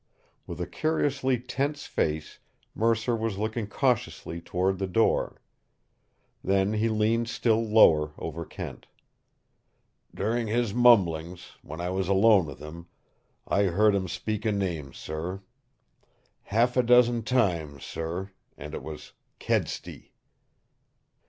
With a curiously tense face Mercer was looking cautiously toward the door. Then he leaned still lower over Kent. "During his mumblings, when I was alone with him, I heard him speak a name, sir. Half a dozen times, sir and it was KEDSTY!"